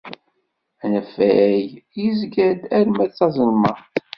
Anafag yezga-d ar tama tazelmaḍt.